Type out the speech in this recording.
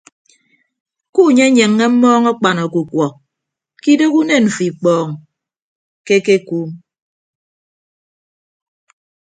Kunyenyeññe mmọọñ akpan ọkukuọ ke idooho unen mfo ikpọọñ ke ekekuum.